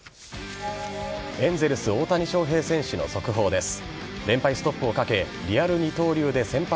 エンゼルス大谷翔平選手の速報です。